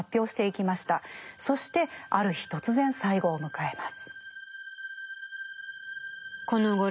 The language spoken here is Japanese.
そしてある日突然最期を迎えます。